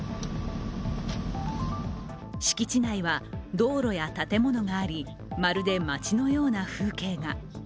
敷地内は道路や建物がありまるで街のような風景が。